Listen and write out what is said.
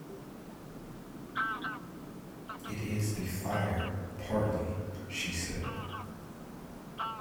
It is the fire, partly, she said.